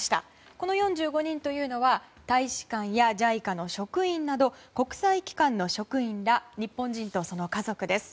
この４５人というのは大使館やＪＩＣＡの職員など国際機関の職員ら日本人とその家族です。